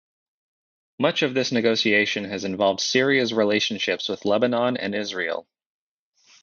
Much of this negotiation has involved Syria's relationships with Lebanon and Israel.